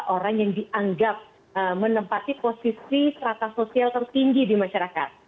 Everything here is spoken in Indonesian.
orang yang dianggap menempati posisi serata sosial tertinggi di masyarakat